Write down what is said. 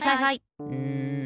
うん。